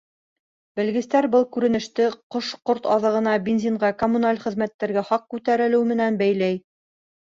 Белгестәр был күренеште ҡош-ҡорт аҙығына, бензинға, коммуналь хеҙмәттәргә хаҡ күтәрелеү менән бәйләй.